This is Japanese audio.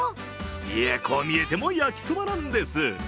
いえ、こう見えても焼きそばなんです。